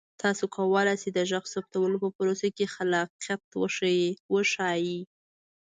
تاسو کولی شئ د غږ ثبتولو په پروسه کې خلاقیت وښایئ.